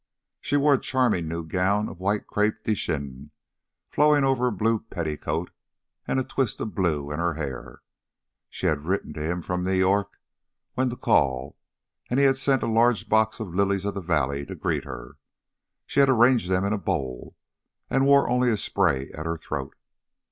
She wore a charming new gown of white crepe de chine flowing over a blue petticoat, and a twist of blue in her hair. She had written to him from New York when to call, and he had sent a large box of lilies of the valley to greet her. She had arranged them in a bowl, and wore only a spray at her throat.